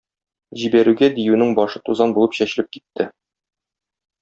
Җибәрүгә диюнең башы тузан булып чәчелеп китте.